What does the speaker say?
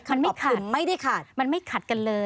คำตอบคือไม่ได้ขัดมันไม่ขัดกันเลย